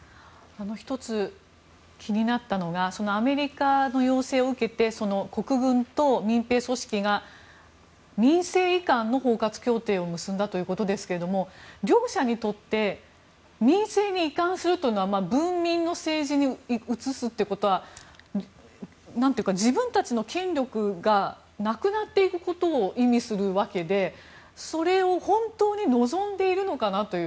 １つ、気になったのがアメリカの要請を受けて国軍と民兵組織が民政移管の包括協定を結んだということですけれども両者にとって民政に移管するというのは文民の政治に移すということは自分たちの権力がなくなっていくことを意味するわけで、それを本当に望んでいるのかなという。